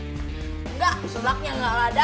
enggak selaknya enggak lada